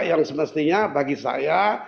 yang semestinya bagi saya